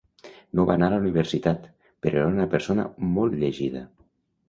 No va anar a la universitat, però era una persona molt llegida.